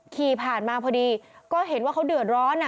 ขี่ผ่านมาพอดีก็เห็นว่าเขาเดือดร้อน